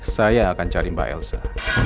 saya akan cari mbak elsa